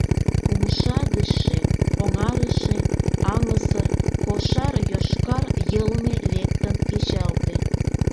Умша гычше оҥарыше, аҥысыр кошар йошкар йылме лектын кечалте.